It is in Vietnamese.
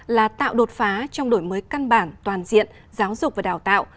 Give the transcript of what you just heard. là tạo đột phá trong đổi mới căn bản toàn diện giáo dục và đào tạo